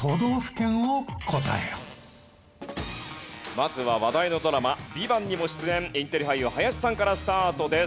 まずは話題のドラマ『ＶＩＶＡＮＴ』にも出演インテリ俳優林さんからスタートです。